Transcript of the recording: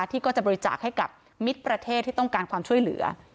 ที่ก็จะบริจาคให้กับมิตรประเทศที่ต้องการความช่วยเหลือ